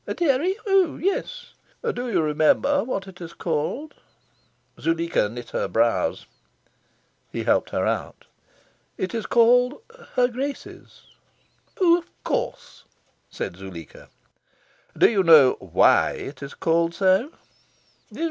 "A dairy? Oh yes." "Do you remember what it is called?" Zuleika knit her brows. He helped her out. "It is called 'Her Grace's'." "Oh, of course!" said Zuleika. "Do you know WHY it is called so?"